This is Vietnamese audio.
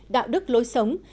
đạo đức lối sống